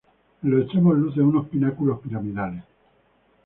En los extremos lucen unos pináculos piramidales.